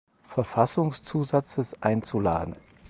Verfassungszusatzes einzuladen.